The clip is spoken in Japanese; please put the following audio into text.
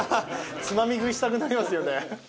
つまみ食いしたくなりますよね